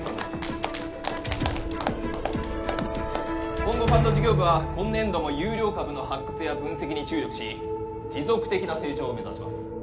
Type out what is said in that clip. ・今後ファンド事業部は今年度も優良株の発掘や分析に注力し持続的な成長を目指します